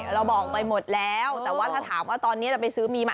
เราบอกไปหมดแล้วแต่ว่าถ้าถามว่าตอนนี้จะไปซื้อมีไหม